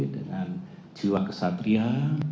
dengan jiwa kesatuan